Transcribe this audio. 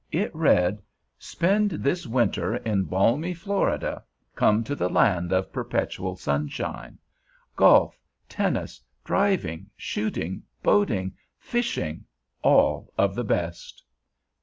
It read: Spend this winter in balmy Florida. Come to the Land of Perpetual Sunshine. Golf, tennis, driving, shooting, boating, fishing, all of the best.